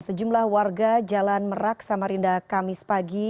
sejumlah warga jalan merak samarinda kamis pagi